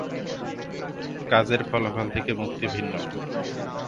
কাজের ফলাফল থেকে মুক্তি ভিন্ন।